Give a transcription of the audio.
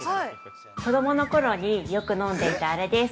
子供のころによく飲んでいたあれです。